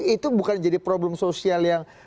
itu bukan jadi problem sosial yang